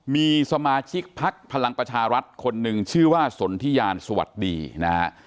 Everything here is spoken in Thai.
มีสมาชิกพักพลังประชารัฐคนหนึ่งชื่อว่าสนทิยานสวัสดีนะฮะ